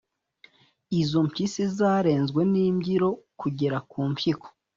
Izo mpyisi zarenzwe n'imbyiro kugera kumpyiko